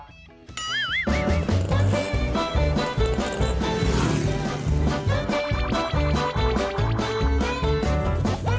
ติ๊ะ